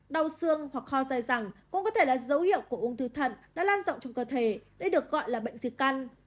đau xương hoặc kho dài rằng cũng có thể là dấu hiệu của ung thư thật đã lan rộng trong cơ thể để được gọi là bệnh dì căn